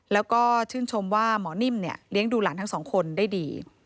แล้วก็ชื่นชมว่าหมอนิ่มเนี่ยเลี้ยงดูหลานทั้งสองคนได้ดี